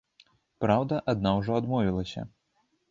Праўда, адна ўжо адмовілася.